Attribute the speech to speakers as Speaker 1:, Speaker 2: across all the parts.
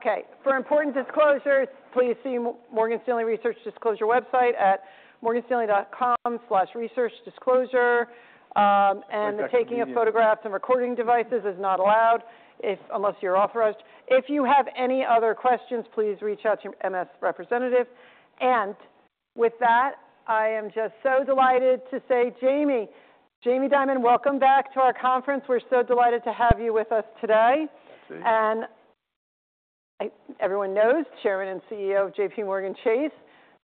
Speaker 1: Okay. For important disclosures, please see Morgan Stanley Research Disclosure website at morganstanley.com/researchdisclosure. The taking of photographs and recording devices is not allowed unless you're authorized. If you have any other questions, please reach out to your MS representative. I am just so delighted to say, Jamie, Jamie Dimon, welcome back to our conference. We're so delighted to have you with us today.
Speaker 2: Thank you.
Speaker 1: Everyone knows Chairman and CEO of JPMorgan Chase,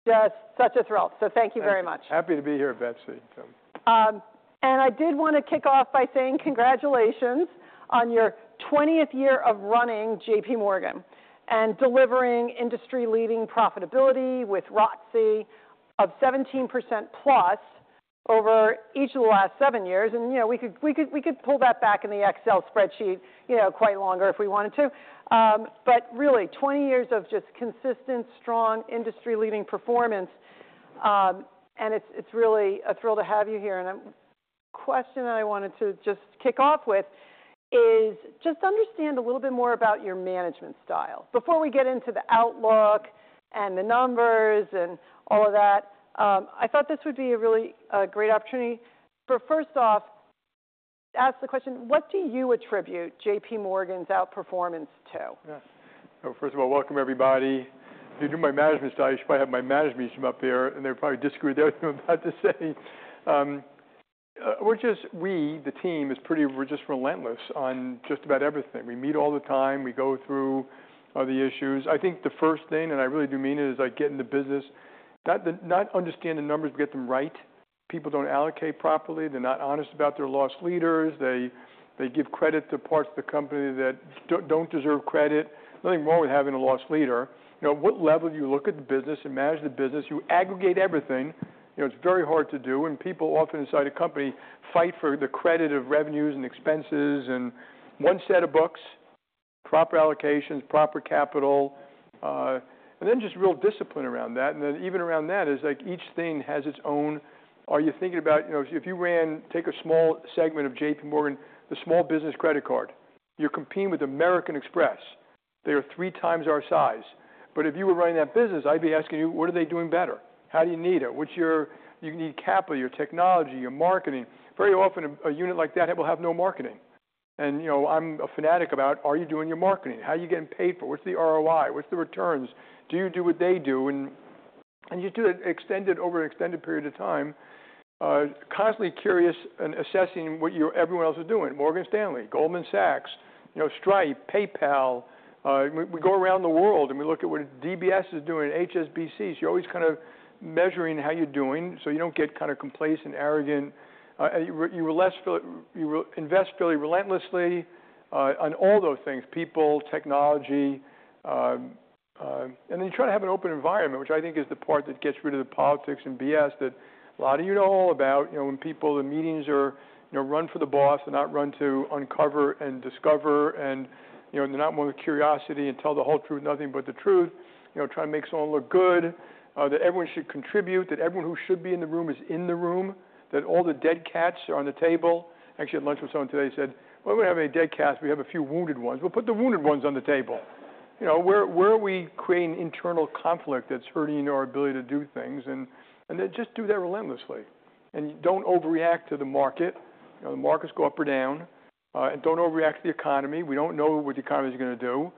Speaker 1: just such a thrill. Thank you very much.
Speaker 2: Happy to be here, Betsy and Tim.
Speaker 1: I did want to kick off by saying congratulations on your 20th year of running JPMorgan and delivering industry-leading profitability with ROTCE of 17%+ over each of the last seven years. You know, we could pull that back in the Excel spreadsheet quite longer if we wanted to. Really, 20 years of just consistent, strong industry-leading performance. It's really a thrill to have you here. A question I wanted to just kick off with is just to understand a little bit more about your management style. Before we get into the outlook and the numbers and all of that, I thought this would be a really great opportunity, first off, to ask the question, what do you attribute JPMorgan's outperformance to?
Speaker 2: Yes. First of all, welcome everybody. If you knew my management style, you should probably have my management team up there, and they would probably disagree with everything I'm about to say. We're just, we, the team, is pretty, we're just relentless on just about everything. We meet all the time. We go through the issues. I think the first thing, and I really do mean it, is I get into business, not understanding the numbers, get them right. People do not allocate properly. They're not honest about their lost leaders. They give credit to parts of the company that do not deserve credit. Nothing wrong with having a lost leader. You know, at what level do you look at the business and manage the business? You aggregate everything. You know, it's very hard to do. People often inside a company fight for the credit of revenues and expenses and one set of books, proper allocations, proper capital, and then just real discipline around that. Even around that, it's like each thing has its own, are you thinking about, you know, if you ran, take a small segment of JPMorgan, the small business credit card, you're competing with American Express. They are three times our size. If you were running that business, I'd be asking you, what are they doing better? How do you need it? What's your, you need capital, your technology, your marketing. Very often a unit like that will have no marketing. You know, I'm a fanatic about, are you doing your marketing? How are you getting paid for? What's the ROI? What's the returns? Do you do what they do? You do it over an extended period of time, constantly curious and assessing what you, everyone else is doing. Morgan Stanley, Goldman Sachs, you know, Stripe, PayPal, we go around the world and we look at what DBS is doing, HSBC, so you're always kind of measuring how you're doing so you don't get kind of complacent, arrogant. you were less, you invest fairly relentlessly, on all those things, people, technology, and then you try to have an open environment, which I think is the part that gets rid of the politics and BS that a lot of you know all about, you know, when people, the meetings are, you know, run for the boss and not run to uncover and discover and, you know, they're not more than curiosity and tell the whole truth, nothing but the truth, you know, trying to make someone look good, that everyone should contribute, that everyone who should be in the room is in the room, that all the dead cats are on the table. Actually, at lunch with someone today, he said, we do not have any dead cats. We have a few wounded ones. We will put the wounded ones on the table. You know, where are we creating internal conflict that's hurting our ability to do things? And then just do that relentlessly and don't overreact to the market. You know, the markets go up or down, and don't overreact to the economy. We don't know what the economy is going to do.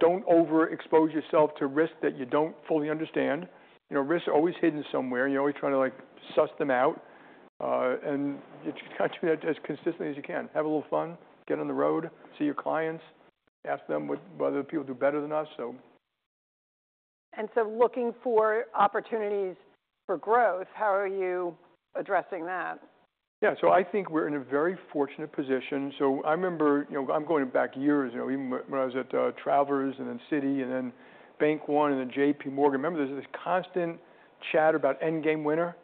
Speaker 2: Don't overexpose yourself to risk that you don't fully understand. You know, risk is always hidden somewhere. You're always trying to like suss them out, and you just got to do that as consistently as you can. Have a little fun, get on the road, see your clients, ask them what, whether people do better than us.
Speaker 1: Looking for opportunities for growth, how are you addressing that?
Speaker 2: Yeah. I think we're in a very fortunate position. I remember, you know, I'm going back years, you know, even when I was at Travelers and then Citi and then Bank One and then JPMorgan. Remember there's this constant chatter about end game winner.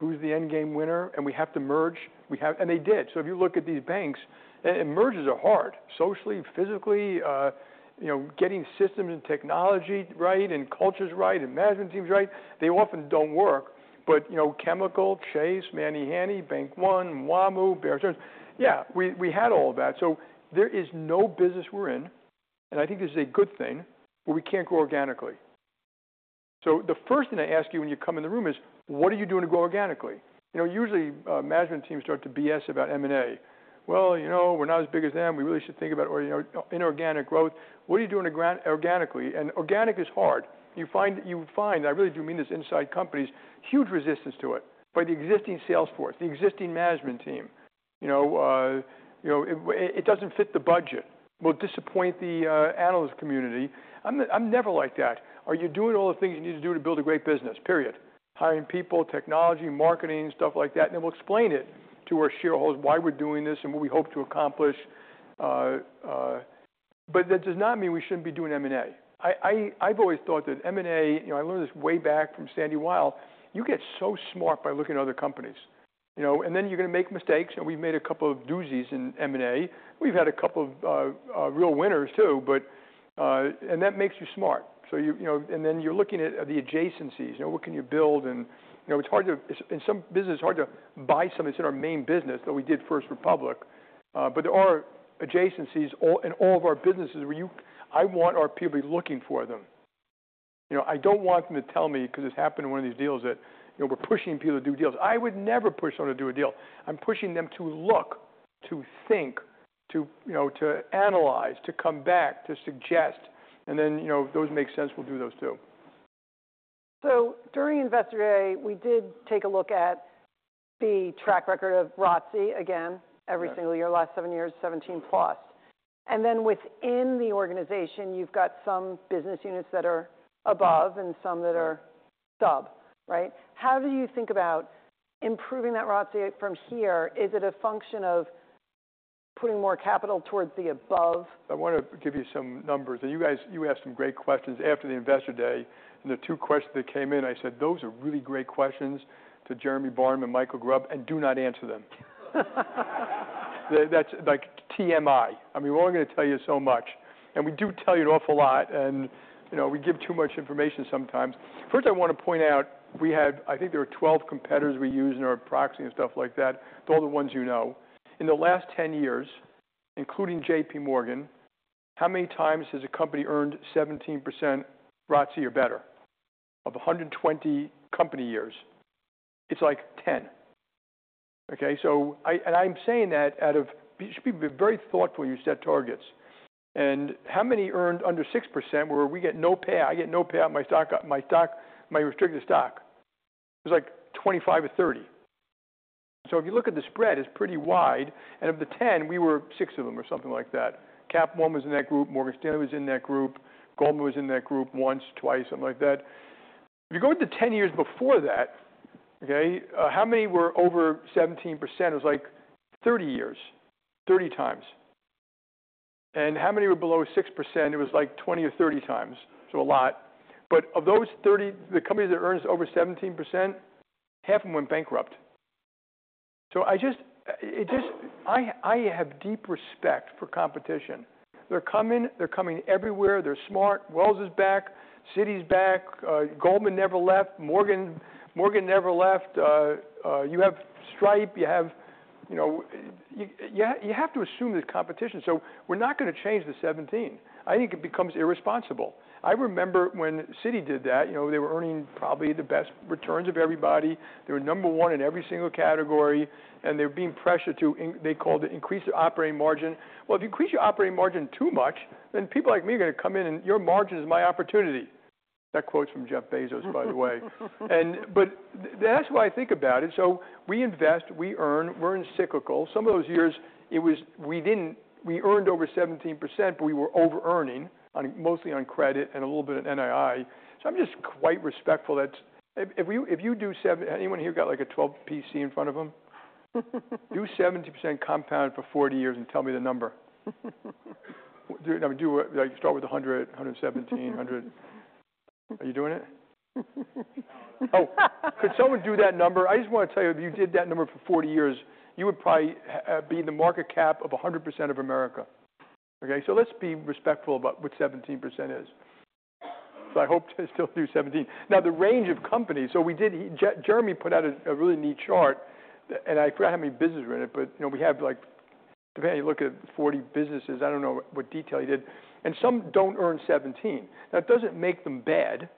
Speaker 2: Who's the end game winner? We have to merge. We have, and they did. If you look at these banks, and mergers are hard socially, physically, you know, getting systems and technology right and cultures right and management teams right, they often do not work. You know, Chemical, Chase, Manny Hanny, Bank One, WaMu, Bear Stearns. Yeah, we had all of that. There is no business we're in, and I think this is a good thing, where we cannot grow organically. The first thing I ask you when you come in the room is, what are you doing to grow organically? You know, usually, management teams start to BS about M&A. You know, we're not as big as them. We really should think about, or, you know, inorganic growth. What are you doing to grow organically? And organic is hard. You find, you find, I really do mean this inside companies, huge resistance to it by the existing sales force, the existing management team. You know, you know, it doesn't fit the budget. We'll disappoint the analyst community. I'm never like that. Are you doing all the things you need to do to build a great business? Period. Hiring people, technology, marketing, stuff like that. Then we'll explain it to our shareholders why we're doing this and what we hope to accomplish. That does not mean we shouldn't be doing M&A. I've always thought that M&A, you know, I learned this way back from Sandy Weill, you get so smart by looking at other companies, you know, and then you're going to make mistakes. We've made a couple of doozies in M&A. We've had a couple of real winners too, and that makes you smart. You know, and then you're looking at the adjacencies, you know, what can you build? You know, it's hard to, in some business, it's hard to buy something. It's in our main business that we did First Republic. There are adjacencies in all of our businesses where you, I want our people to be looking for them. You know, I don't want them to tell me, because it's happened in one of these deals that, you know, we're pushing people to do deals. I would never push someone to do a deal. I'm pushing them to look, to think, to, you know, to analyze, to come back, to suggest. And then, you know, if those make sense, we'll do those too.
Speaker 1: During Investor Day, we did take a look at the track record of ROTCE again, every single year, last seven years, 17%+. And then within the organization, you've got some business units that are above and some that are sub, right? How do you think about improving that ROTCE from here? Is it a function of putting more capital towards the above?
Speaker 2: I want to give you some numbers. You guys, you asked some great questions after the Investor Day. The two questions that came in, I said, those are really great questions to Jeremy Barnum and Mikael Grubb and do not answer them. That's like TMI. I mean, we're only going to tell you so much. We do tell you an awful lot. You know, we give too much information sometimes. First, I want to point out we have, I think there are 12 competitors we use in our proxy and stuff like that. They're all the ones you know. In the last 10 years, including JPMorgan, how many times has a company earned 17% ROTCE or better of 120 company years? It's like 10. I am saying that out of, you should be very thoughtful when you set targets. How many earned under 6% where we get no payout? I get no payout, my stock, my stock, my restricted stock. It was like 25 or 30. If you look at the spread, it is pretty wide. Of the 10, we were six of them or something like that. Cap One was in that group. Morgan Stanley was in that group. Goldman was in that group once, twice, something like that. If you go to the 10 years before that, okay, how many were over 17%? It was like 30 years, 30 times. How many were below 6%? It was like 20 or 30 times. A lot. Of those 30, the companies that earned over 17%, half of them went bankrupt. I just, I have deep respect for competition. They are coming, they are coming everywhere. They are smart. Wells is back. Citi's back. Goldman never left. Morgan, Morgan never left. You have Stripe. You have, you know, you have to assume there's competition. So we're not going to change the 17. I think it becomes irresponsible. I remember when Citi did that, you know, they were earning probably the best returns of everybody. They were number one in every single category. They were being pressured to, they called it increase the operating margin. If you increase your operating margin too much, then people like me are going to come in and your margin is my opportunity. That quote's from Jeff Bezos, by the way. That is why I think about it. We invest, we earn, we're cyclical. Some of those years it was, we didn't, we earned over 17%, but we were over-earning on mostly on credit and a little bit of NII. I'm just quite respectful. That's if we, if you do 17, anyone here got like a 12 PC in front of them? Do 17% compound for 40 years and tell me the number. I mean, do it, like start with 100, 117, 100. Are you doing it? Oh, could someone do that number? I just want to tell you, if you did that number for 40 years, you would probably be in the market cap of 100% of America. Okay. Let's be respectful about what 17% is. I hope to still do 17. Now the range of companies. Jeremy put out a really neat chart and I forgot how many businesses were in it, but you know, we have like, depending on, you look at 40 businesses, I don't know what detail he did. Some do not earn 17. That does not make them bad.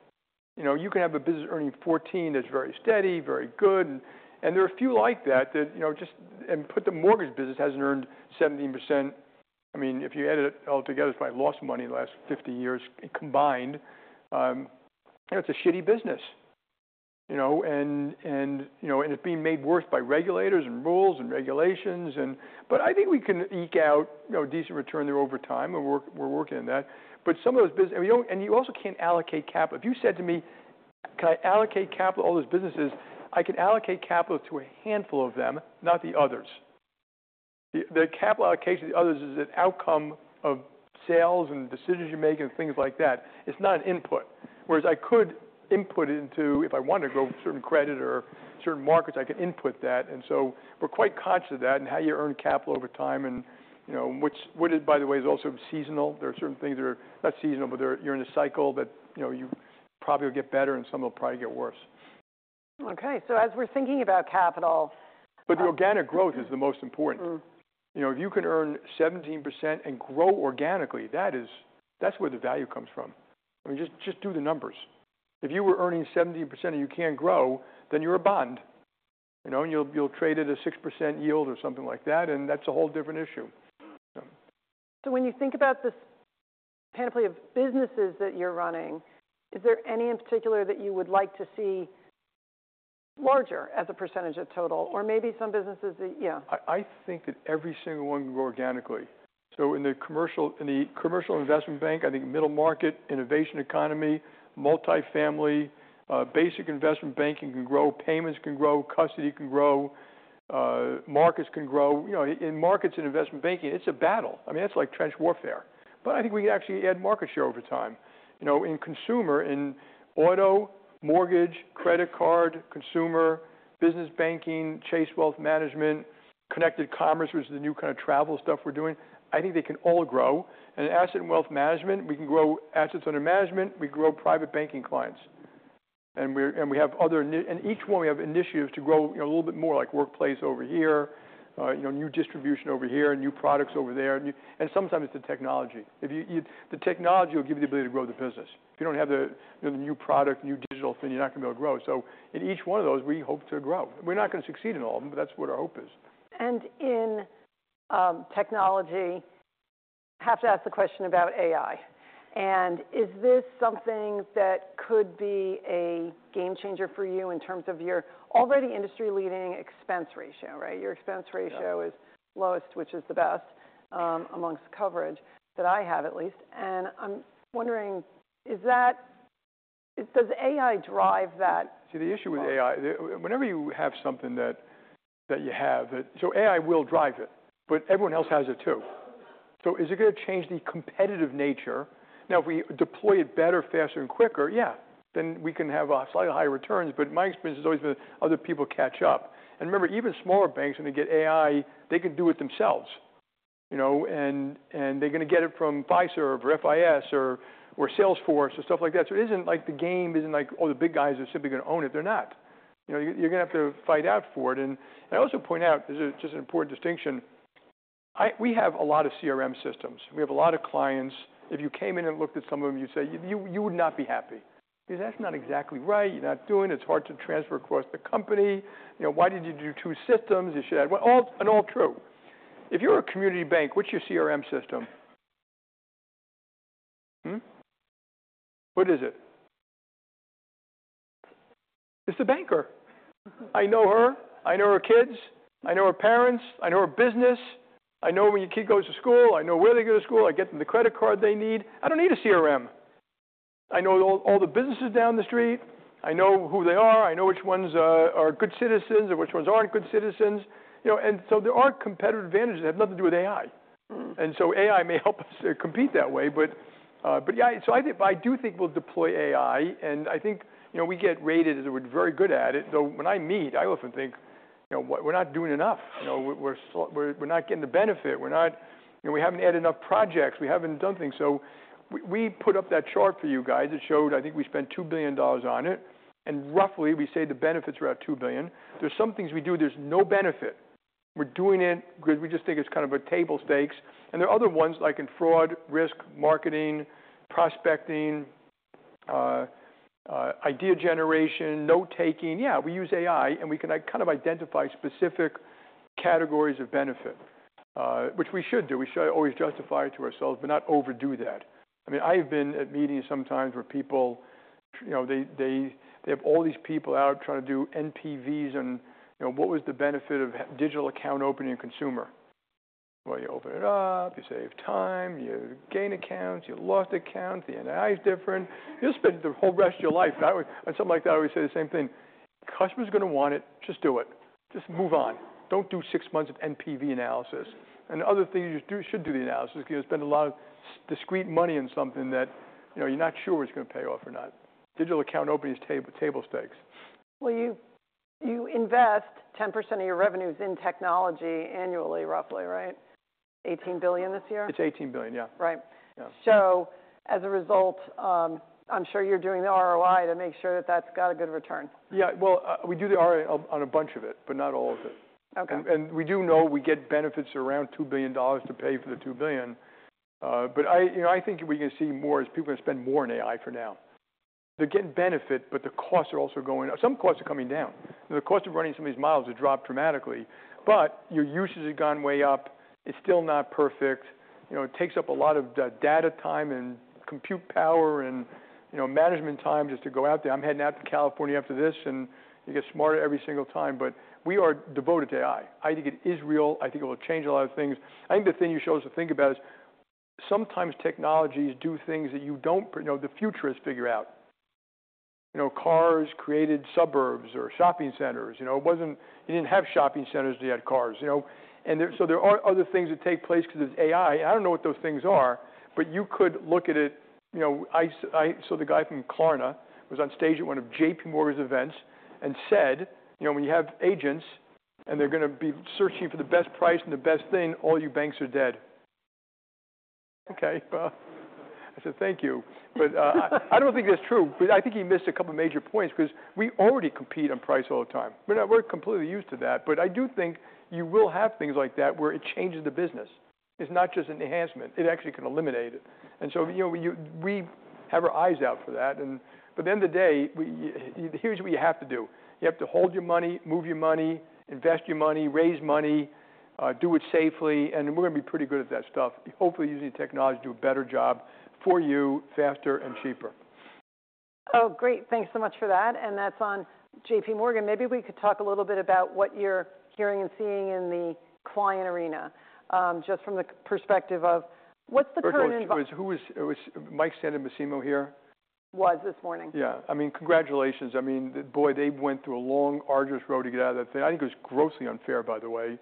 Speaker 2: You know, you can have a business earning 14 that's very steady, very good. And there are a few like that that, you know, just, and put the mortgage business hasn't earned 17%. I mean, if you add it all together, it's probably lost money in the last 50 years combined. And it's a shitty business, you know, and, you know, and it's being made worse by regulators and rules and regulations. And, but I think we can eke out, you know, a decent return there over time and we're, we're working in that. But some of those businesses, and we don't, and you also can't allocate capital. If you said to me, can I allocate capital to all those businesses? I can allocate capital to a handful of them, not the others. The capital allocation to the others is an outcome of sales and decisions you're making and things like that. It's not an input. Whereas I could input it into, if I wanted to go to certain credit or certain markets, I can input that. We're quite conscious of that and how you earn capital over time. You know, which is, by the way, is also seasonal. There are certain things that are not seasonal, but you're in a cycle that, you know, you probably will get better and some will probably get worse.
Speaker 1: Okay. So as we're thinking about capital.
Speaker 2: The organic growth is the most important. You know, if you can earn 17% and grow organically, that is, that's where the value comes from. I mean, just do the numbers. If you were earning 17% and you can't grow, then you're a bond, you know, and you'll trade at a 6% yield or something like that. That is a whole different issue.
Speaker 1: When you think about this panoply of businesses that you're running, is there any in particular that you would like to see larger as a percentage of total or maybe some businesses that, yeah.
Speaker 2: I think that every single one can grow organically. So in the commercial, in the commercial investment bank, I think middle market, innovation economy, multifamily, basic investment banking can grow, payments can grow, custody can grow, markets can grow, you know, in markets and investment banking, it's a battle. I mean, that's like trench warfare. But I think we can actually add market share over time, you know, in consumer, in auto, mortgage, credit card, consumer, business banking, Chase Wealth Management, Connected Commerce, which is the new kind of travel stuff we're doing. I think they can all grow. And asset and wealth management, we can grow assets under management. We grow private banking clients. And we're, and we have other, and each one we have initiatives to grow, you know, a little bit more like workplace over here, you know, new distribution over here, new products over there. Sometimes it's the technology. If you, the technology will give you the ability to grow the business. If you don't have the, you know, the new product, new digital thing, you're not going to be able to grow. In each one of those, we hope to grow. We're not going to succeed in all of them, but that's what our hope is.
Speaker 1: In technology, I have to ask the question about AI. Is this something that could be a game changer for you in terms of your already industry-leading expense ratio, right? Your expense ratio is lowest, which is the best, amongst coverage that I have at least. I'm wondering, does AI drive that?
Speaker 2: See, the issue with AI, whenever you have something that you have, that, so AI will drive it, but everyone else has it too. Is it going to change the competitive nature? Now, if we deploy it better, faster, and quicker, yeah, then we can have slightly higher returns. My experience has always been other people catch up. Remember, even smaller banks, when they get AI, they can do it themselves, you know, and they're going to get it from Fiserv or FIS or Salesforce or stuff like that. It is not like the game is, oh, the big guys are simply going to own it. They're not, you know, you're going to have to fight out for it. I also point out, this is just an important distinction. I, we have a lot of CRM systems. We have a lot of clients. If you came in and looked at some of them, you'd say you would not be happy because that's not exactly right. You're not doing it. It's hard to transfer across the company. You know, why did you do two systems? You should add one, all, and all true. If you're a community bank, what's your CRM system? What is it? It's the banker. I know her. I know her kids. I know her parents. I know her business. I know when your kid goes to school. I know where they go to school. I get them the credit card they need. I don't need a CRM. I know all the businesses down the street. I know who they are. I know which ones are good citizens and which ones aren't good citizens, you know. There are not competitive advantages that have nothing to do with AI. AI may help us compete that way. Yeah, I do think we'll deploy AI. I think, you know, we get rated as we're very good at it. Though when I meet, I often think, you know, we're not doing enough. You know, we're not getting the benefit. We're not, you know, we haven't added enough projects. We haven't done things. We put up that chart for you guys that showed, I think we spent $2 billion on it. Roughly, we say the benefits are about $2 billion. There are some things we do, there's no benefit. We're doing it because we just think it's kind of table stakes. There are other ones like in fraud, risk, marketing, prospecting, idea generation, note taking. Yeah, we use AI and we can kind of identify specific categories of benefit, which we should do. We should always justify it to ourselves, but not overdo that. I mean, I've been at meetings sometimes where people, you know, they have all these people out trying to do NPVs and, you know, what was the benefit of digital account opening a consumer? Well, you open it up, you save time, you gain accounts, you lost accounts, the NII is different. You'll spend the whole rest of your life. I was, I was something like that. I always say the same thing. Customer's going to want it. Just do it. Just move on. Don't do six months of NPV analysis. The other thing you should do, should do the analysis because you'll spend a lot of discrete money on something that, you know, you're not sure it's going to pay off or not. Digital account opening is table stakes.
Speaker 1: You invest 10% of your revenues in technology annually, roughly, right? $18 billion this year?
Speaker 2: It's $18 billion, yeah.
Speaker 1: Right. So as a result, I'm sure you're doing the ROI to make sure that that's got a good return.
Speaker 2: Yeah. We do the ROI on a bunch of it, but not all of it. We do know we get benefits around $2 billion to pay for the $2 billion. I, you know, I think we're going to see more as people are going to spend more in AI for now. They're getting benefit, but the costs are also going. Some costs are coming down. The cost of running some of these models has dropped dramatically, but your usage has gone way up. It's still not perfect. You know, it takes up a lot of data time and compute power and, you know, management time just to go out there. I'm heading out to California after this and you get smarter every single time, but we are devoted to AI. I think it is real. I think it will change a lot of things. I think the thing you should also think about is sometimes technologies do things that you don't, you know, the futurists figure out. You know, cars created suburbs or shopping centers, you know, it wasn't, you didn't have shopping centers that had cars, you know, and so there are other things that take place because there's AI. I don't know what those things are, but you could look at it, you know, I, so the guy from Klarna was on stage at one of JPMorgan's events and said, you know, when you have agents and they're going to be searching for the best price and the best thing, all your banks are dead. Okay. I said, thank you. I don't think that's true, but I think he missed a couple of major points because we already compete on price all the time. We're not, we're completely used to that, but I do think you will have things like that where it changes the business. It's not just an enhancement. It actually can eliminate it. You know, we have our eyes out for that. By the end of the day, here's what you have to do. You have to hold your money, move your money, invest your money, raise money, do it safely. We're going to be pretty good at that stuff, hopefully using technology to do a better job for you, faster and cheaper.
Speaker 1: Oh, great. Thanks so much for that. That is on JPMorgan. Maybe we could talk a little bit about what you're hearing and seeing in the client arena, just from the perspective of what's the current.
Speaker 2: Who was, it was Mike Santomassimo here.
Speaker 1: Was this morning.
Speaker 2: Yeah. I mean, congratulations. I mean, boy, they went through a long arduous road to get out of that thing. I think it was grossly unfair, by the way,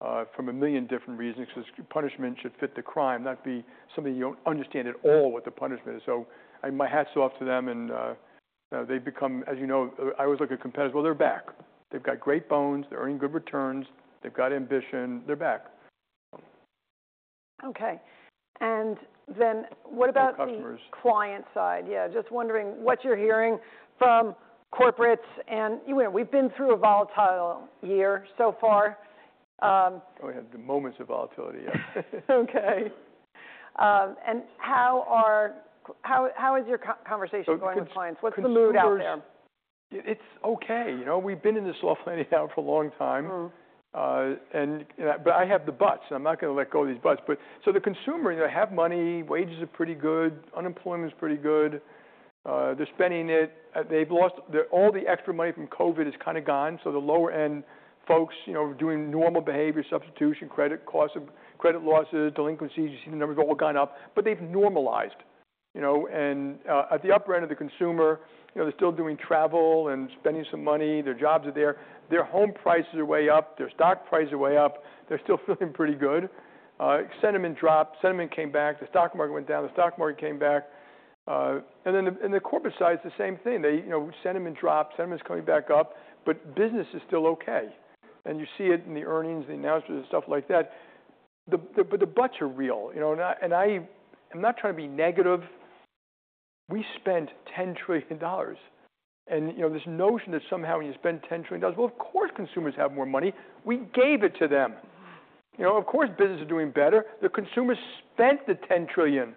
Speaker 2: for a million different reasons because punishment should fit the crime, not be something you do not understand at all what the punishment is. So my hats off to them and, you know, they've become, as you know, I always look at competitors. Well, they're back. They've got great bones. They're earning good returns. They've got ambition. They're back.
Speaker 1: Okay. What about the client side? Yeah. Just wondering what you're hearing from corporates and you know, we've been through a volatile year so far.
Speaker 2: Oh, we had moments of volatility. Yeah.
Speaker 1: Okay. How are your conversations going with clients? What's the mood out there?
Speaker 2: It's okay. You know, we've been in this offline for a long time, and, but I have the buts and I'm not going to let go of these buts. The consumer, you know, I have money, wages are pretty good, unemployment is pretty good. They're spending it. They've lost all the extra money from COVID, it's kind of gone. The lower end folks, you know, doing normal behavior, substitution, credit costs, credit losses, delinquencies, you see the numbers all gone up, but they've normalized, you know, and at the upper end of the consumer, you know, they're still doing travel and spending some money. Their jobs are there. Their home prices are way up. Their stock prices are way up. They're still feeling pretty good. Sentiment dropped. Sentiment came back. The stock market went down. The stock market came back. and then the, and the corporate side, it's the same thing. They, you know, sentiment dropped. Sentiment's coming back up, but business is still okay. You see it in the earnings, the announcements and stuff like that. The, but the buts are real, you know, and I, and I am not trying to be negative. We spent $10 trillion and, you know, this notion that somehow when you spend $10 trillion, well, of course consumers have more money. We gave it to them. You know, of course business is doing better. The consumers spent the $10 trillion.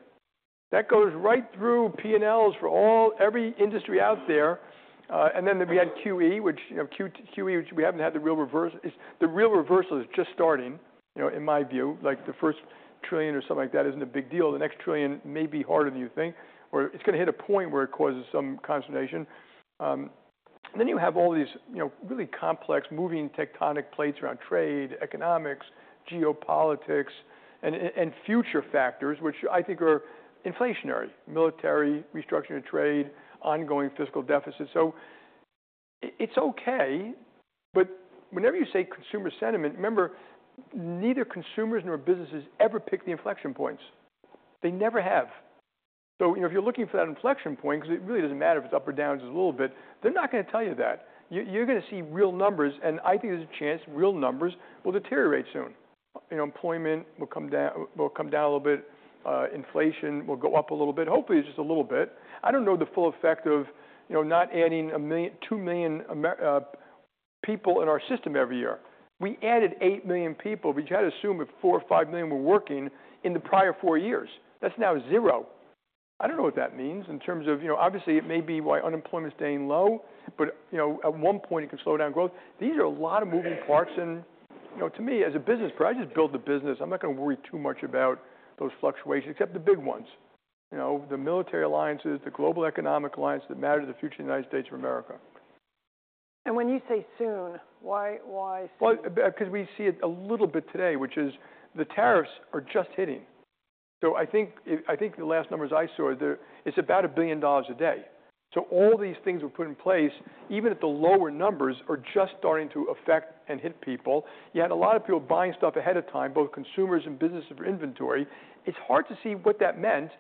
Speaker 2: That goes right through P&Ls for all, every industry out there. and then we had QE, which, you know, QE, which we haven't had the real reverse is the real reversal is just starting, you know, in my view, like the first trillion or something like that isn't a big deal. The next trillion may be harder than you think or it's going to hit a point where it causes some consternation. and then you have all these, you know, really complex moving tectonic plates around trade, economics, geopolitics, and, and future factors, which I think are inflationary, military restructuring of trade, ongoing fiscal deficit. So it's okay. But whenever you say consumer sentiment, remember neither consumers nor businesses ever pick the inflection points. They never have. So, you know, if you're looking for that inflection point, because it really doesn't matter if it's up or down, it's a little bit, they're not going to tell you that. You're going to see real numbers. I think there's a chance real numbers will deteriorate soon. You know, employment will come down, will come down a little bit. Inflation will go up a little bit. Hopefully it's just a little bit. I don't know the full effect of, you know, not adding a million, 2 million, people in our system every year. We added 8 million people. We just had to assume if 4 or 5 million were working in the prior four years. That's now zero. I don't know what that means in terms of, you know, obviously it may be why unemployment's staying low, but you know, at one point it can slow down growth. These are a lot of moving parts. You know, to me as a business, I just build the business. I'm not going to worry too much about those fluctuations, except the big ones, you know, the military alliances, the global economic alliance that matters to the future of the United States of America.
Speaker 1: When you say soon, why, why soon?
Speaker 2: Because we see it a little bit today, which is the tariffs are just hitting. I think the last numbers I saw, it's about $1 billion a day. All these things were put in place, even at the lower numbers, are just starting to affect and hit people. You had a lot of people buying stuff ahead of time, both consumers and businesses for inventory. It's hard to see what that meant.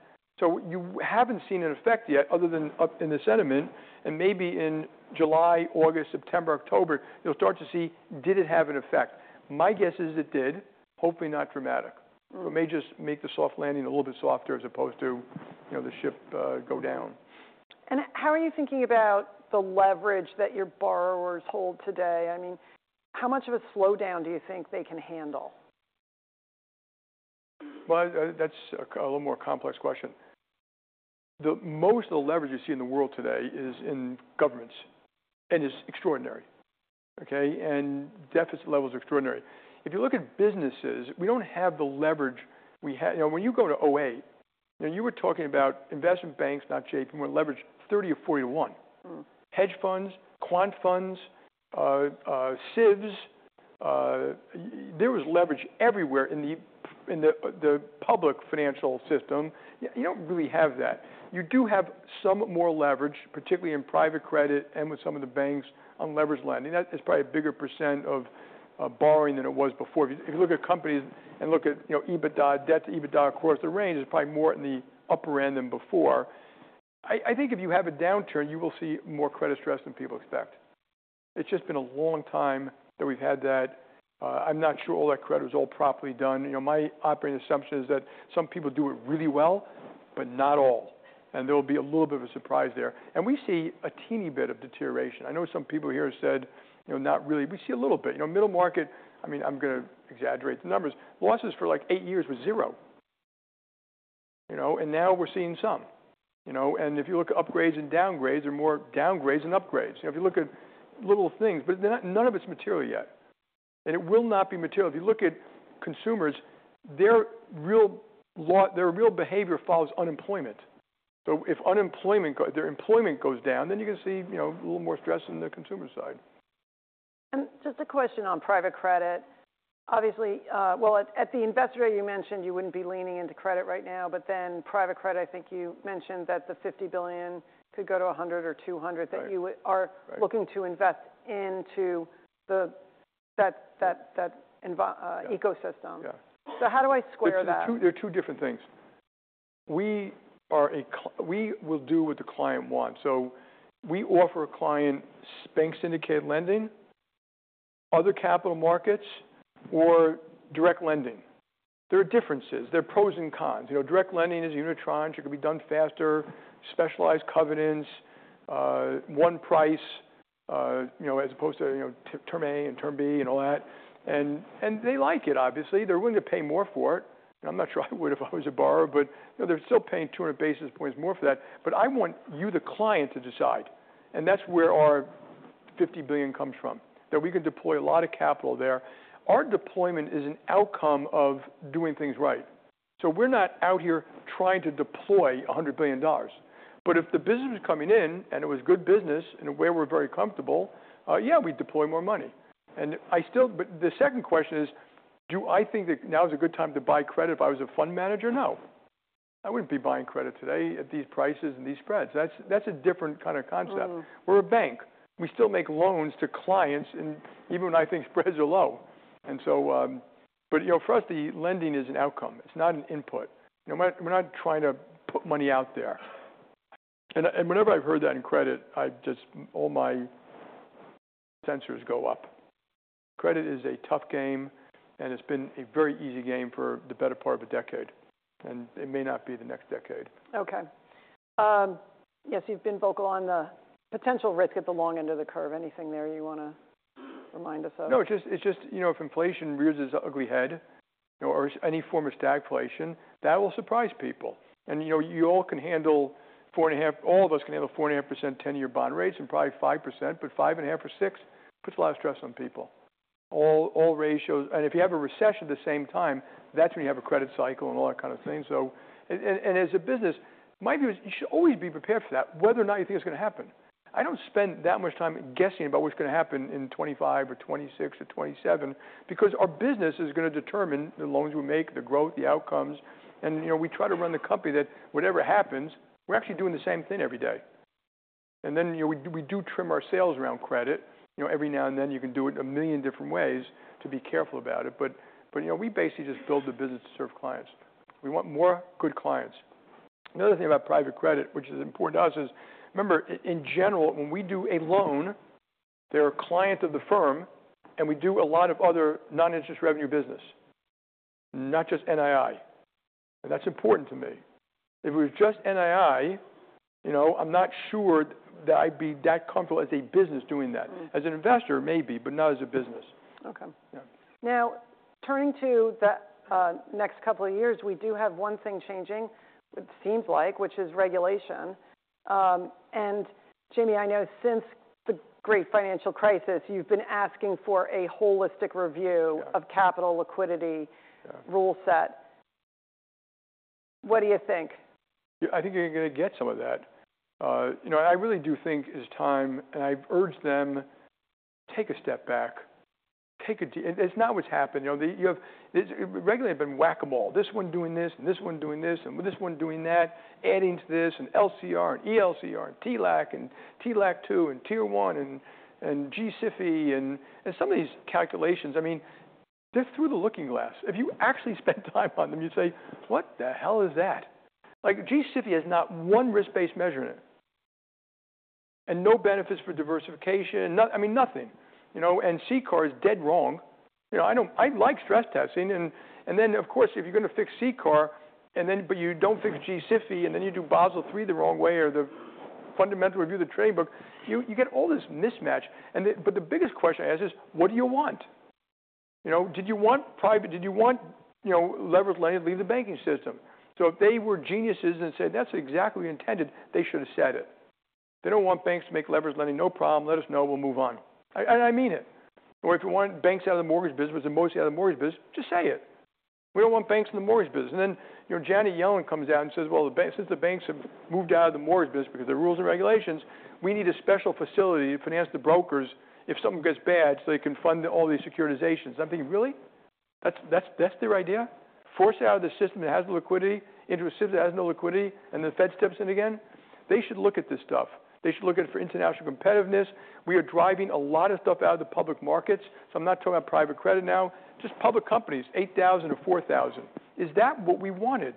Speaker 2: You haven't seen an effect yet other than in the sentiment. Maybe in July, August, September, October, you'll start to see, did it have an effect? My guess is it did. Hopefully not dramatic. It may just make the soft landing a little bit softer as opposed to, you know, the ship go down.
Speaker 1: How are you thinking about the leverage that your borrowers hold today? I mean, how much of a slowdown do you think they can handle?
Speaker 2: That is a little more complex question. Most of the leverage you see in the world today is in governments and is extraordinary. Okay. And deficit levels are extraordinary. If you look at businesses, we do not have the leverage we had. You know, when you go to 2008, you know, you were talking about investment banks, not JPMorgan, leverage 30 or 40 to one. Hedge funds, quant funds, SIBs, there was leverage everywhere in the public financial system. You do not really have that. You do have some more leverage, particularly in private credit and with some of the banks on leveraged lending. That is probably a bigger % of borrowing than it was before. If you look at companies and look at, you know, EBITDA, debt to EBITDA, of course, the range is probably more in the upper end than before. I think if you have a downturn, you will see more credit stress than people expect. It's just been a long time that we've had that. I'm not sure all that credit was all properly done. You know, my operating assumption is that some people do it really well, but not all. There'll be a little bit of a surprise there. You know, we see a teeny bit of deterioration. I know some people here said, you know, not really. We see a little bit, you know, middle market. I mean, I'm going to exaggerate the numbers. Losses for like eight years was zero. You know, and now we're seeing some, you know, and if you look at upgrades and downgrades, there are more downgrades than upgrades. You know, if you look at little things, but none of it's material yet. It will not be material. If you look at consumers, their real, their real behavior follows unemployment. So if unemployment, their employment goes down, then you can see, you know, a little more stress on the consumer side.
Speaker 1: Just a question on private credit. Obviously, at the investor you mentioned you would not be leaning into credit right now, but then private credit, I think you mentioned that the $50 billion could go to $100 billion or $200 billion that you are looking to invest into that ecosystem. Yeah. How do I square that?
Speaker 2: There are two different things. We are a, we will do what the client wants. So we offer a client bank syndicated lending, other capital markets, or direct lending. There are differences. There are pros and cons. You know, direct lending is unitranche. It could be done faster, specialized covenants, one price, you know, as opposed to, you know, term A and term B and all that. They like it, obviously. They're willing to pay more for it. I'm not sure I would if I was a borrower, but you know, they're still paying 200 basis points more for that. I want you, the client, to decide. That's where our $50 billion comes from, that we can deploy a lot of capital there. Our deployment is an outcome of doing things right. We're not out here trying to deploy $100 billion. If the business was coming in and it was good business and where we're very comfortable, yeah, we'd deploy more money. I still, but the second question is, do I think that now is a good time to buy credit if I was a fund manager? No. I wouldn't be buying credit today at these prices and these spreads. That's a different kind of concept. We're a bank. We still make loans to clients even when I think spreads are low. For us, the lending is an outcome. It's not an input. We're not trying to put money out there. Whenever I've heard that in credit, all my sensors go up. Credit is a tough game and it's been a very easy game for the better part of a decade. It may not be the next decade.
Speaker 1: Okay. Yes, you've been vocal on the potential risk at the long end of the curve. Anything there you want to remind us of?
Speaker 2: No, it's just, you know, if inflation rears its ugly head, you know, or any form of stagflation, that will surprise people. You all can handle 4.5%, all of us can handle 4.5% 10-year bond rates and probably 5%, but 5.5% or 6% puts a lot of stress on people. All ratios. If you have a recession at the same time, that's when you have a credit cycle and all that kind of thing. As a business, my view is you should always be prepared for that, whether or not you think it's going to happen. I don't spend that much time guessing about what's going to happen in 2025 or 2026 or 2027, because our business is going to determine the loans we make, the growth, the outcomes. You know, we try to run the company that whatever happens, we're actually doing the same thing every day. You know, we do trim our sales around credit. Every now and then you can do it a million different ways to be careful about it. You know, we basically just build the business to serve clients. We want more good clients. Another thing about private credit, which is important to us, is remember in general, when we do a loan, there are clients of the firm and we do a lot of other non-interest revenue business, not just NII. That's important to me. If it was just NII, you know, I'm not sure that I'd be that comfortable as a business doing that. As an investor, maybe, but not as a business.
Speaker 1: Okay. Now, turning to the next couple of years, we do have one thing changing, it seems like, which is regulation. Jamie, I know since the great financial crisis, you've been asking for a holistic review of capital liquidity rule set. What do you think?
Speaker 2: I think you're going to get some of that. You know, and I really do think it's time and I've urged them to take a step back, take a, and it's not what's happened. You know, you have regularly been whack-a-mole. This one doing this and this one doing this and this one doing that, adding to this and LCR and eLCR and TLAC and TLAC 2 and Tier 1 and, and G-SIFI and, and some of these calculations, I mean, they're through the looking glass. If you actually spend time on them, you say, what the hell is that? Like G-SIFI has not one risk-based measurement and no benefits for diversification. I mean, nothing, you know, and CCAR is dead wrong. You know, I don't, I like stress testing and, and then of course, if you're going to fix CCAR and then, but you don't fix G-SIFI and then you do Basel III the wrong way or the fundamental review of the trading book, you, you get all this mismatch. The biggest question I ask is, what do you want? You know, did you want private, did you want, you know, leverage lending to leave the banking system? If they were geniuses and said, that's exactly what we intended, they should have said it. They don't want banks to make leverage lending, no problem. Let us know, we'll move on. I mean it. If you want banks out of the mortgage business, which is the most out of the mortgage business, just say it. We don't want banks in the mortgage business. You know, Janet Yellen comes out and says, well, the banks, since the banks have moved out of the mortgage business because of the rules and regulations, we need a special facility to finance the brokers if something goes bad so they can fund all the securitization. I'm thinking, really? That's their idea? Forcing out of the system that has the liquidity into a system that has no liquidity and then the Fed steps in again? They should look at this stuff. They should look at it for international competitiveness. We are driving a lot of stuff out of the public markets. I'm not talking about private credit now, just public companies, 8,000 or 4,000. Is that what we wanted?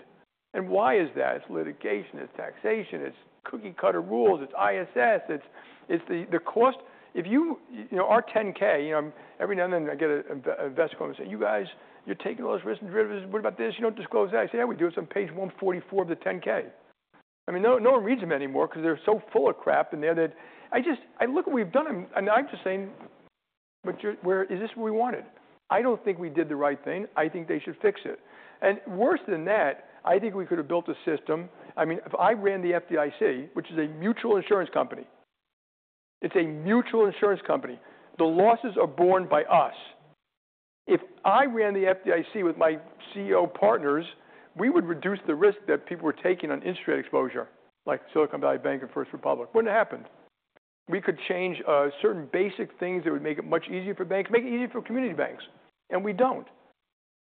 Speaker 2: And why is that? It's litigation, it's taxation, it's cookie cutter rules, it's ISS, it's the cost. If you, you know, our 10-K, you know, every now and then I get an investor come and say, you guys, you're taking all those risks and what about this? You don't disclose that. I say, yeah, we do it. It's on page 144 of the 10-K. I mean, no one reads them anymore because they're so full of crap in there that I just, I look at what we've done. I'm just saying, but you're, where is this what we wanted? I don't think we did the right thing. I think they should fix it. Worse than that, I think we could have built a system. I mean, if I ran the FDIC, which is a mutual insurance company, it's a mutual insurance company. The losses are borne by us. If I ran the FDIC with my CEO partners, we would reduce the risk that people were taking on interest rate exposure, like Silicon Valley Bank and First Republic. Wouldn't have happened. We could change certain basic things that would make it much easier for banks, make it easier for community banks. We don't.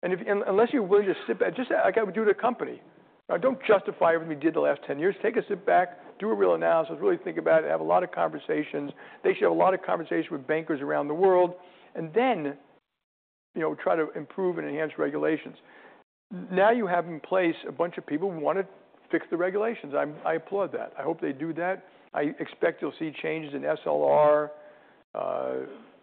Speaker 2: If, unless you're willing to sit back, just like I would do to a company, I don't justify everything we did the last 10 years. Take a sit back, do a real analysis, really think about it, have a lot of conversations. They should have a lot of conversations with bankers around the world and then, you know, try to improve and enhance regulations. Now you have in place a bunch of people who want to fix the regulations. I applaud that. I hope they do that. I expect you'll see changes in SLR,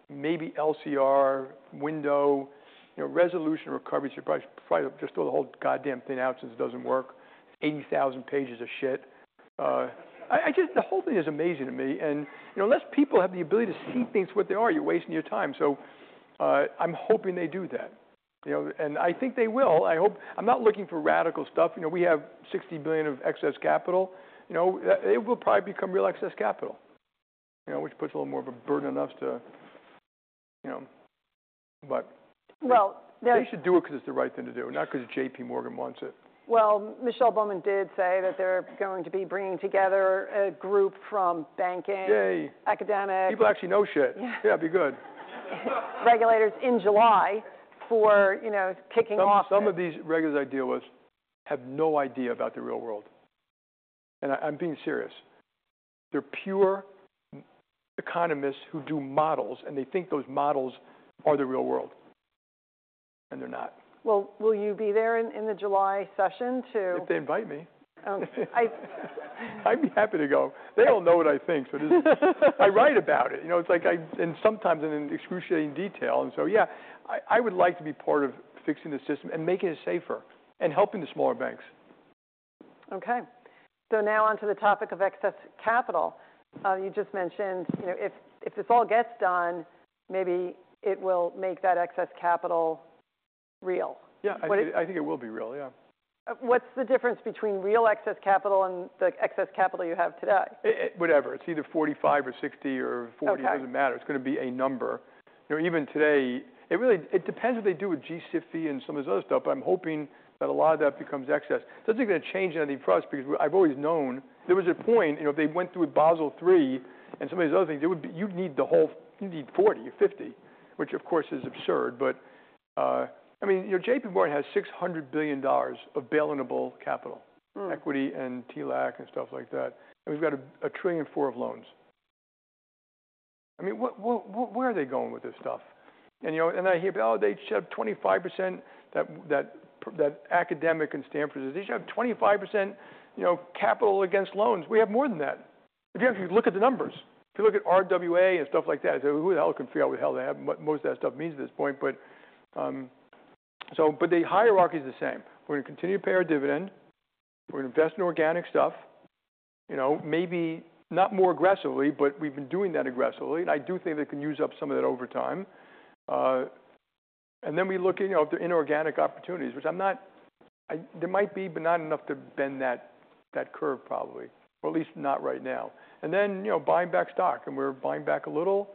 Speaker 2: maybe LCR window, you know, resolution recovery. You probably just throw the whole goddamn thing out since it doesn't work. 80,000 pages of shit. I just, the whole thing is amazing to me. And, you know, unless people have the ability to see things what they are, you're wasting your time. So, I'm hoping they do that, you know, and I think they will. I hope, I'm not looking for radical stuff. You know, we have $60 billion of excess capital, you know, it will probably become real excess capital, you know, which puts a little more of a burden on us to, you know, but they should do it because it's the right thing to do, not because JPMorgan wants it.
Speaker 1: Michelle Bowman did say that they're going to be bringing together a group from banking, academics.
Speaker 2: People actually know shit. Yeah, it'd be good.
Speaker 1: Regulators in July for, you know, kicking off.
Speaker 2: Some of these regulators I deal with have no idea about the real world. I'm being serious. They're pure economists who do models and they think those models are the real world. They're not.
Speaker 1: Will you be there in the July session too?
Speaker 2: If they invite me.
Speaker 1: I.
Speaker 2: I'd be happy to go. They all know what I think, so I write about it. You know, it's like I, and sometimes in excruciating detail. Yeah, I would like to be part of fixing the system and making it safer and helping the smaller banks.
Speaker 1: Okay. So now onto the topic of excess capital. You just mentioned, you know, if this all gets done, maybe it will make that excess capital real.
Speaker 2: Yeah, I think it will be real. Yeah.
Speaker 1: What's the difference between real excess capital and the excess capital you have today?
Speaker 2: Whatever. It's either 45 or 60 or 40. It doesn't matter. It's going to be a number. You know, even today, it really, it depends what they do with G-SIFI and some of this other stuff, but I'm hoping that a lot of that becomes excess. It doesn't even change anything for us because I've always known there was a point, you know, if they went through with Basel III and some of these other things, it would be, you'd need the whole, you'd need 40 or 50, which of course is absurd. I mean, you know, JPMorgan Chase has $600 billion of bail-in-able capital, equity and TLAC and stuff like that. And we've got $1.4 trillion of loans. I mean, what, where are they going with this stuff? You know, I hear, oh, they should have 25%, that academic and Stanford, they should have 25% capital against loans. We have more than that. If you actually look at the numbers, if you look at RWA and stuff like that, who the hell can figure out what the hell they have, what most of that stuff means at this point. The hierarchy is the same. We're going to continue to pay our dividend. We're going to invest in organic stuff, maybe not more aggressively, but we've been doing that aggressively. I do think they can use up some of that over time. Then we look at, you know, if there are inorganic opportunities, which I'm not, there might be, but not enough to bend that curve probably, or at least not right now. You know, buying back stock and we're buying back a little.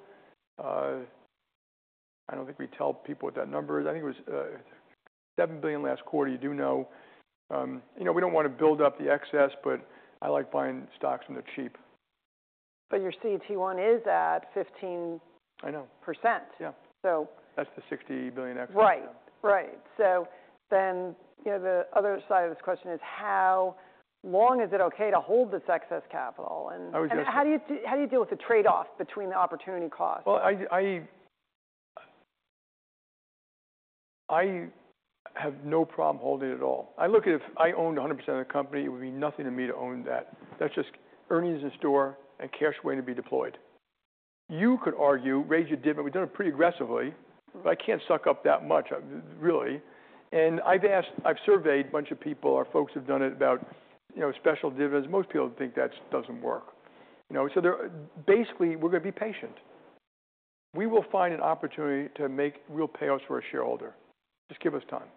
Speaker 2: I don't think we tell people what that number is. I think it was $7 billion last quarter. You do know, you know, we don't want to build up the excess, but I like buying stocks when they're cheap.
Speaker 1: Your CET1 is at 15%.
Speaker 2: I know. Yeah. That's the $60 billion excess.
Speaker 1: Right. Right. So then, you know, the other side of this question is how long is it okay to hold this excess capital? And how do you, how do you deal with the trade-off between the opportunity cost?
Speaker 2: I have no problem holding it at all. I look at it, if I owned 100% of the company, it would be nothing to me to own that. That's just earnings in store and cash waiting to be deployed. You could argue, raise your dividend, we've done it pretty aggressively, but I can't suck up that much, really. I've asked, I've surveyed a bunch of people, our folks have done it about, you know, special dividends. Most people think that doesn't work, you know. There basically we're going to be patient. We will find an opportunity to make real payouts for our shareholder. Just give us time.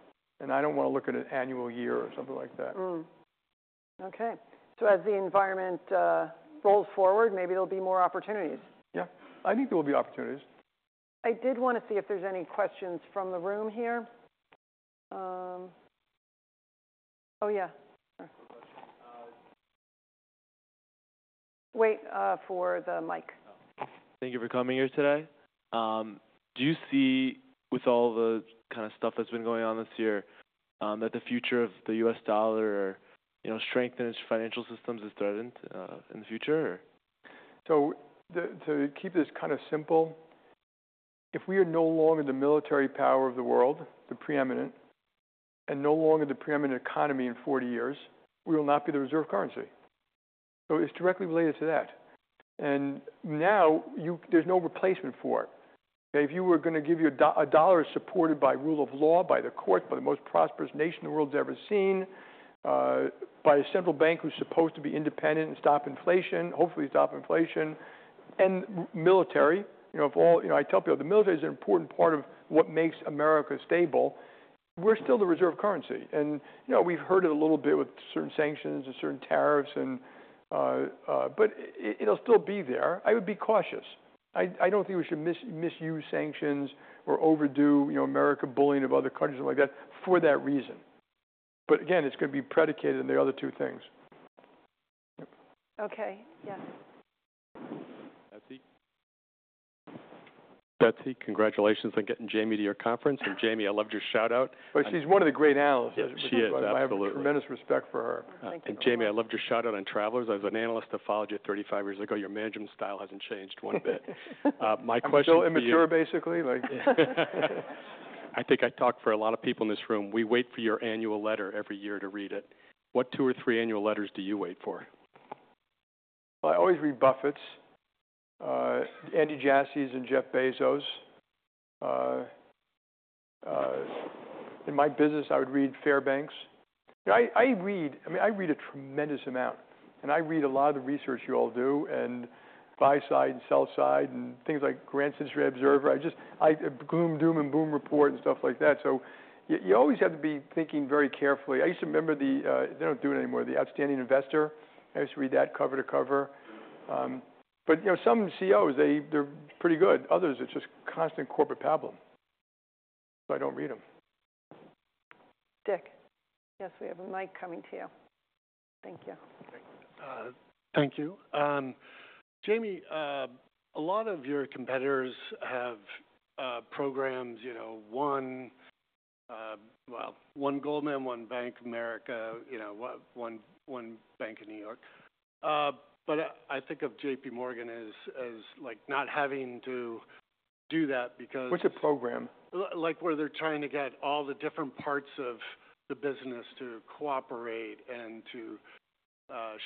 Speaker 2: I don't want to look at an annual year or something like that.
Speaker 1: Mm-hmm. Okay. As the environment rolls forward, maybe there'll be more opportunities.
Speaker 2: Yeah. I think there will be opportunities.
Speaker 1: I did want to see if there's any questions from the room here. Oh yeah. Wait for the mic. Thank you for coming here today. Do you see, with all the kind of stuff that's been going on this year, that the future of the US dollar or, you know, strength in its financial systems is threatened in the future, or?
Speaker 2: To keep this kind of simple, if we are no longer the military power of the world, the preeminent, and no longer the preeminent economy in 40 years, we will not be the reserve currency. It is directly related to that. Now, you, there is no replacement for it. If you were going to give you a dollar supported by rule of law, by the court, by the most prosperous nation the world has ever seen, by a central bank who is supposed to be independent and stop inflation, hopefully stop inflation, and military, you know, if all, you know, I tell people the military is an important part of what makes America stable. We are still the reserve currency. You know, we have heard it a little bit with certain sanctions and certain tariffs, but it will still be there. I would be cautious. I don't think we should misuse sanctions or overdo, you know, America bullying of other countries and all like that for that reason. Again, it's going to be predicated on the other two things.
Speaker 1: Okay. Yeah. Betsy, congratulations on getting Jamie to your conference. Jamie, I loved your shout out.
Speaker 2: She's one of the great analysts. She is. I have tremendous respect for her.
Speaker 1: Thank you. Jamie, I loved your shout out on Travelers. I was an analyst at [followed] 35 years ago. Your management style hasn't changed one bit. My question.
Speaker 2: I'm still immature basically. Like. I think I talk for a lot of people in this room. We wait for your annual letter every year to read it. What two or three annual letters do you wait for? I always read Buffett's, Andy Jassy's, and Jeff Bezos. In my business, I would read Fairbanks. You know, I read, I mean, I read a tremendous amount and I read a lot of the research you all do and buy side and sell side and things like Grant's Interest Rate Observer. I just, I have Gloom, Doom, and Boom report and stuff like that. You always have to be thinking very carefully. I used to remember the, they do not do it anymore, the Outstanding Investor. I used to read that cover to cover. You know, some CEOs, they are pretty good. Others, it is just constant corporate problem. I do not read them.
Speaker 1: Dick, yes, we have a mic coming to you. Thank you. Thank you. Jamie, a lot of your competitors have programs, you know, one, well, one Goldman, one Bank of America, you know, one, one bank in New York. I think of JPMorgan as, as like not having to do that because.
Speaker 2: What's a program? Like where they're trying to get all the different parts of the business to cooperate and to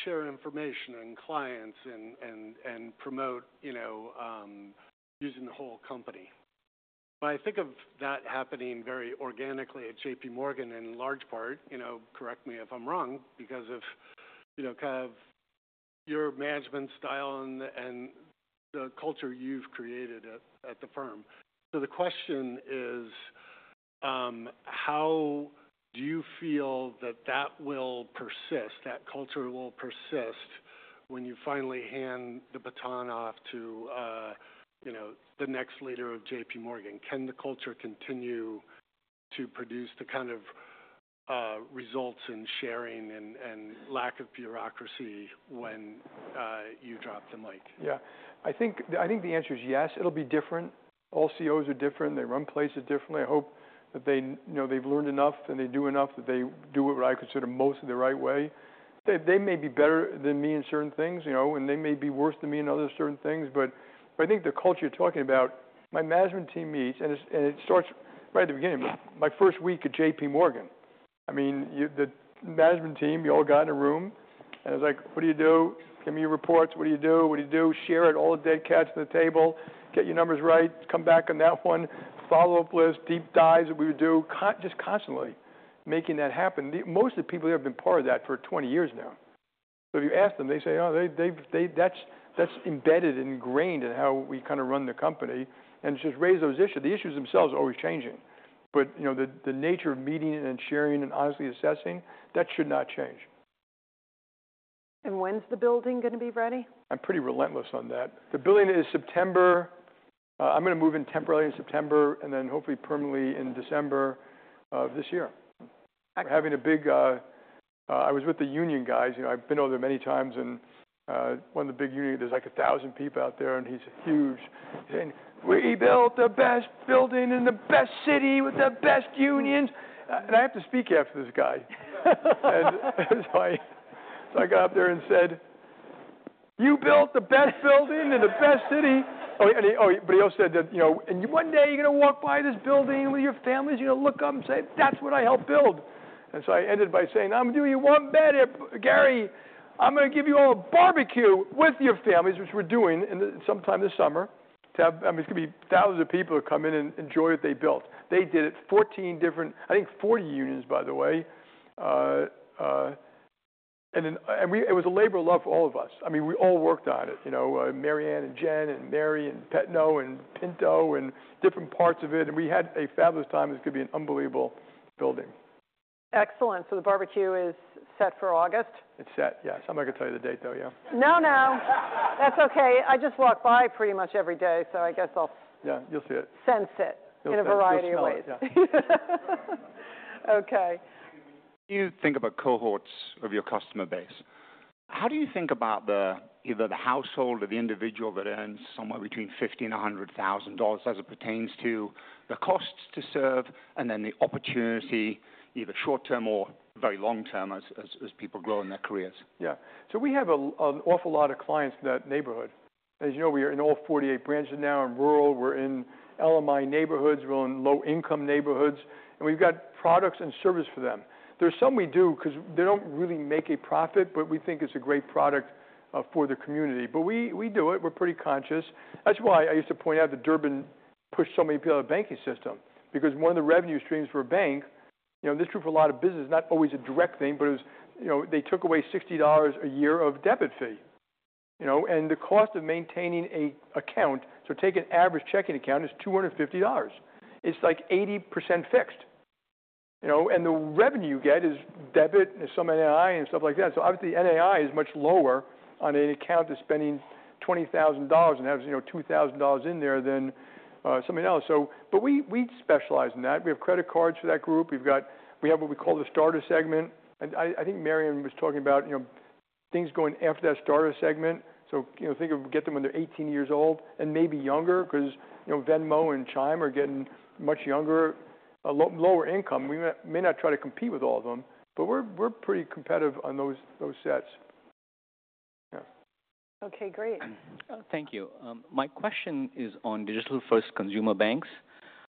Speaker 2: share information and clients and promote, you know, using the whole company. I think of that happening very organically at JPMorgan in large part, you know, correct me if I'm wrong, because of, you know, kind of your management style and the culture you've created at the firm. The question is, how do you feel that that will persist, that culture will persist when you finally hand the baton off to, you know, the next leader of JPMorgan? Can the culture continue to produce the kind of results in sharing and lack of bureaucracy when you drop the mic? Yeah. I think the answer is yes. It'll be different. All CEOs are different. They run places differently. I hope that they, you know, they've learned enough and they do enough that they do what I consider mostly the right way. They may be better than me in certain things, you know, and they may be worse than me in other certain things. I think the culture you're talking about, my management team meets and it starts right at the beginning, my first week at JPMorgan. I mean, the management team, you all got in a room and it was like, what do you do? Give me your reports. What do you do? What do you do? Share it. All the dead cats on the table. Get your numbers right. Come back on that one. Follow up list, deep dives that we would do just constantly making that happen. Most of the people there have been part of that for 20 years now. If you ask them, they say, oh, they've, they, that's, that's embedded and ingrained in how we kind of run the company and just raise those issues. The issues themselves are always changing. You know, the nature of meeting and sharing and honestly assessing, that should not change.
Speaker 1: When's the building going to be ready?
Speaker 2: I'm pretty relentless on that. The building is September. I'm going to move in temporarily in September and then hopefully permanently in December of this year. I'm having a big, I was with the union guys, you know, I've been over there many times, and one of the big unions, there's like a thousand people out there and he's huge. And we built the best building in the best city with the best unions. I have to speak after this guy. I got up there and said, you built the best building in the best city. Oh, and he, oh, but he also said that, you know, and one day you're going to walk by this building with your families, you're going to look up and say, that's what I helped build. I ended by saying, I'm doing you one better, Gary. I'm going to give you all a barbecue with your families, which we're doing sometime this summer to have, I mean, it's going to be thousands of people that come in and enjoy what they built. They did it 14 different, I think 40 unions, by the way. It was a labor of love for all of us. I mean, we all worked on it, you know, Marianne and Jen and Mary and Petno and Pinto and different parts of it. We had a fabulous time. It's going to be an unbelievable building.
Speaker 1: Excellent. So the barbecue is set for August?
Speaker 2: It's set. Yeah. Somebody can tell you the date though. Yeah.
Speaker 1: No, no. That's okay. I just walk by pretty much every day. So I guess I'll.
Speaker 2: Yeah, you'll see it.
Speaker 1: Sense it in a variety of ways. Okay. You think about cohorts of your customer base. How do you think about the, either the household or the individual that earns somewhere between $50,000 and $100,000 as it pertains to the costs to serve and then the opportunity, either short term or very long term as people grow in their careers?
Speaker 2: Yeah. We have an awful lot of clients in that neighborhood. As you know, we are in all 48 branches now in rural. We are in LMI neighborhoods. We are in low income neighborhoods. We have products and service for them. There are some we do because they do not really make a profit, but we think it is a great product for the community. We do it. We are pretty conscious. That is why I used to point out that Durbin pushed so many people out of the banking system because one of the revenue streams for a bank, you know, this is true for a lot of business, not always a direct thing, but it was, you know, they took away $60 a year of debit fee, you know, and the cost of maintaining an account, so take an average checking account, it is $250. It's like 80% fixed, you know, and the revenue you get is debit and some NII and stuff like that. Obviously NII is much lower on an account that's spending $20,000 and has, you know, $2,000 in there than something else. We specialize in that. We have credit cards for that group. We have what we call the starter segment. I think Marianne was talking about, you know, things going after that starter segment. You know, think of, get them when they're 18 years old and maybe younger because, you know, Venmo and Chime are getting much younger, a lower income. We may not try to compete with all of them, but we're pretty competitive on those sets.
Speaker 1: Okay. Great. Thank you. My question is on digital-first consumer banks.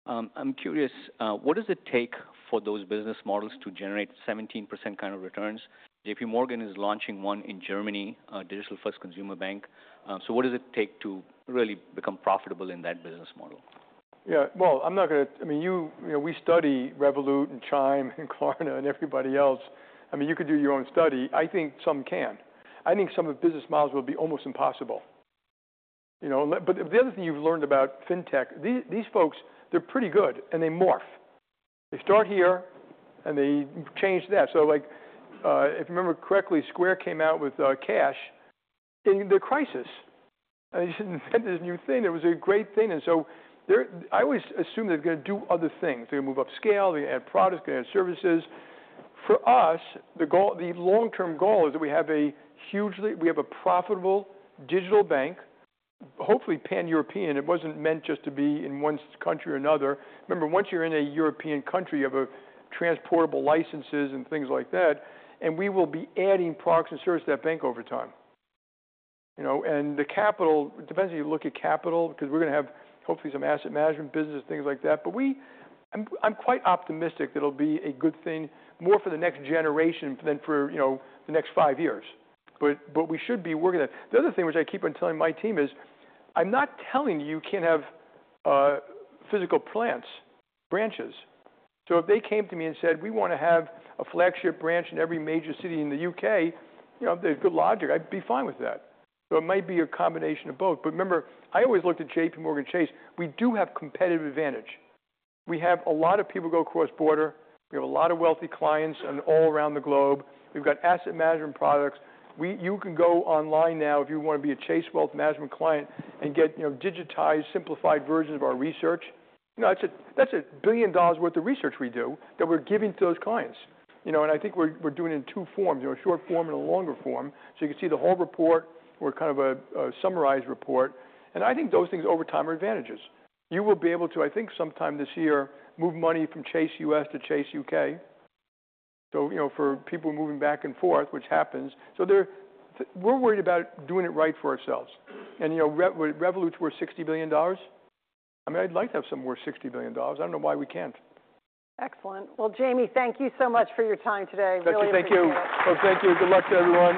Speaker 1: I'm curious, what does it take for those business models to generate 17% kind of returns? JPMorgan is launching one in Germany, digital-first consumer bank. What does it take to really become profitable in that business model?
Speaker 2: Yeah. I'm not going to, I mean, you know, we study Revolut and Chime and Klarna and everybody else. I mean, you could do your own study. I think some can. I think some of the business models will be almost impossible. You know, the other thing you've learned about fintech, these folks, they're pretty good and they morph. They start here and they change that. If you remember correctly, Square came out with cash in the crisis. They said there's a new thing. It was a great thing. I always assume they're going to do other things. They're going to move up scale. They're going to add products. They're going to add services. For us, the goal, the long-term goal is that we have a hugely, we have a profitable digital bank, hopefully pan-European. It wasn't meant just to be in one country or another. Remember, once you're in a European country, you have transportable licenses and things like that. We will be adding products and services to that bank over time. You know, and the capital, it depends if you look at capital because we're going to have hopefully some asset management business, things like that. I'm quite optimistic that it'll be a good thing more for the next generation than for, you know, the next five years. We should be working on that. The other thing, which I keep on telling my team is I'm not telling you you can't have physical plants, branches. If they came to me and said, we want to have a flagship branch in every major city in the U.K., you know, there's good logic. I'd be fine with that. It might be a combination of both. Remember, I always looked at JPMorgan Chase. We do have competitive advantage. We have a lot of people go across border. We have a lot of wealthy clients all around the globe. We've got asset management products. You can go online now if you want to be a Chase Wealth Management client and get, you know, digitized, simplified versions of our research. You know, that's a, that's a billion dollars worth of research we do that we're giving to those clients. I think we're doing it in two forms, you know, a short form and a longer form. You can see the whole report or kind of a summarized report. I think those things over time are advantages. You will be able to, I think sometime this year, move money from Chase U.S. to Chase U.K. You know, for people moving back and forth, which happens. They're, we're worried about doing it right for ourselves. You know, Revolut's worth $60 billion. I mean, I'd like to have some worth $60 billion. I don't know why we can't.
Speaker 1: Excellent. Jamie, thank you so much for your time today.
Speaker 2: Thank you. Good luck to everyone.